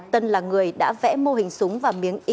tân là người đã vẽ mô hình súng và miếng y